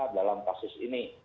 dalam kasus ini